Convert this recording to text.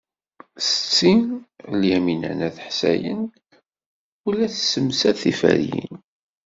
Setti Lyamina n At Ḥsayen ur la tessemsad tiferyin.